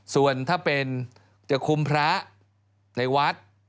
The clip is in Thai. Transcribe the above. ส่วนถ้าเป็นจะคุมพระในวัด